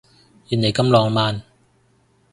原來咁浪漫